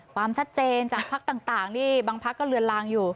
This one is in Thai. ความชัดเจนจากภักดิ์ต่างนี่บางพักก็เลือนลางอยู่